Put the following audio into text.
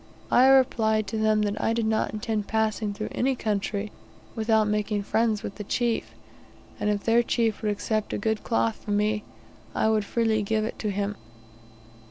I replied to them that I did not intend passing through any country without making friends with the chief; and if their chief would accept a good cloth from me, I would freely give it to him.